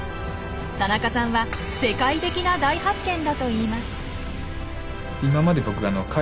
田中さんは世界的な大発見だと言います。